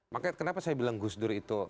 makanya kenapa saya bilang gusdur itu